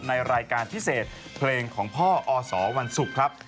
ในรายการพิเศษเพลงของพ่ออสวันศุกร์ครับ